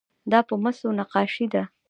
دا په مسو نقاشي ده.